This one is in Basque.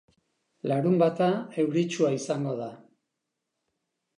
Larunbata euritsua izango da.